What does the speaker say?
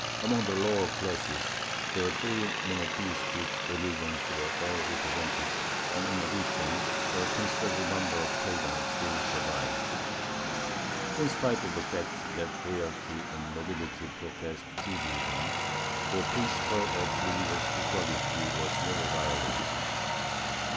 Among the lower classes the three monotheistic religions were all represented, and in addition a considerable number of pagans still survived. In spite of the fact that royalty and nobility professed Judaism, the principle of religious equality was never violated.